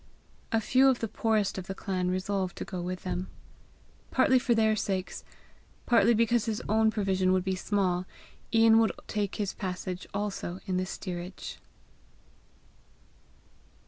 A few of the poorest of the clan resolved to go with them. Partly for their sakes, partly because his own provision would be small, Ian would take his passage also in the steerage.